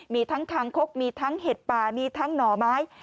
มีทั้งคางคกมีทั้งเห็ดป่ามีทั้งหน่อไม้